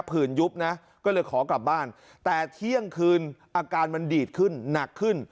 ื่นยุบนะก็เลยขอกลับบ้านแต่เที่ยงคืนอาการมันดีดขึ้นหนักขึ้น